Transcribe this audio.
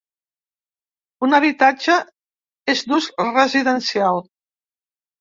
Un habitatge és d’ús residencial.